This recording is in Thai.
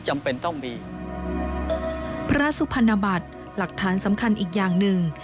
หลักฐานสำคัญอีกอย่างหนึ่ง